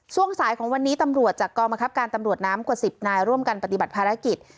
ช่วงสายของวันนี้ตำรวจจากกองบังคับการตำรวจน้ำกว่า๑๐นายร่วมกันปฏิบัติภารกิจ